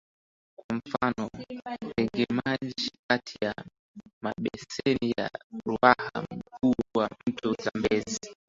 Kwa mfano tengamaji kati ya mabeseni ya Ruaha Mkuu na Mto Zambezi